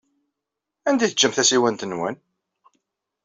Anda ay teǧǧam tasiwant-nwen?